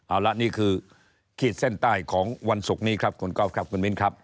เอาละนี่คือขีดเส้นใต้ของวันศุกร์นี้ครับคุณก๊อฟครับคุณมิ้นครับ